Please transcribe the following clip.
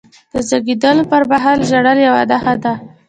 د زیږېدلو پرمهال ژړل یوه نښه ده.